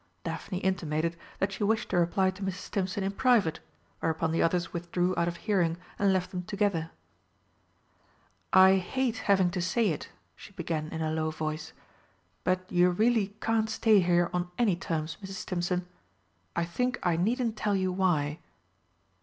Daphne intimated that she wished to reply to Mrs. Stimpson in private, whereupon the others withdrew out of hearing and left them together. "I hate having to say it," she began in a low voice, "but you really can't stay here on any terms, Mrs. Stimpson I think I needn't tell you why."